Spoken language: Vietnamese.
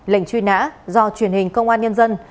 lệnh truy nã do truyền hình công an nhân dân